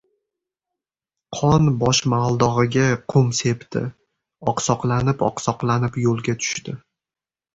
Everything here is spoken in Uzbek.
Qon boshmaldog‘iga qum sepdi, oqsoqlanib-oqsoqlanib yo‘lga tushdi.